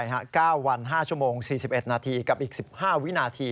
๙วัน๕ชั่วโมง๔๑นาทีกับอีก๑๕วินาที